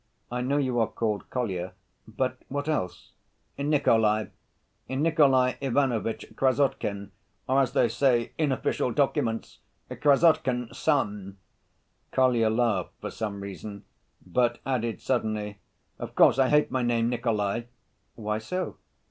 I know you are called Kolya, but what else?" "Nikolay—Nikolay Ivanovitch Krassotkin, or, as they say in official documents, 'Krassotkin son.' " Kolya laughed for some reason, but added suddenly, "Of course I hate my name Nikolay." "Why so?"